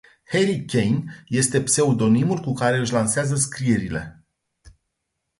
Harry Caine este pseudonimul cu care își lansează scrierile.